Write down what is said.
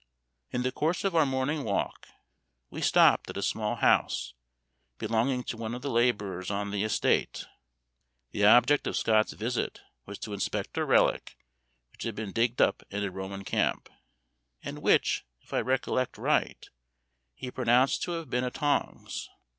In the course of our morning's walk, we stopped at a small house belonging to one of the laborers on the estate. The object of Scott's visit was to inspect a relic which had been digged up in a Roman camp, and which, if I recollect right, he pronounced to have been a tongs.